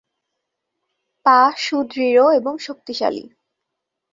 পা সুদৃঢ় এবং শক্তিশালী।